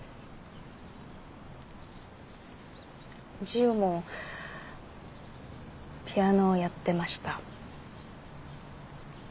ジウもピアノをやってました。